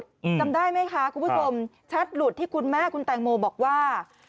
จำได้ไหมคะคุณผู้ชมแชทหลุดที่คุณแม่คุณแตงโมบอกว่า